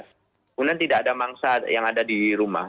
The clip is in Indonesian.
kemudian tidak ada mangsa yang ada di rumah